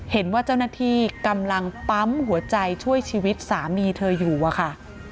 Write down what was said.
เห็นว่าเจ้าหน้าที่กำลังปั๊มหัวใจช่วยชีวิตสามีเธออยู่อะค่ะ